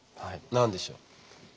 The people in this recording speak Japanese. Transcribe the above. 何でしょう？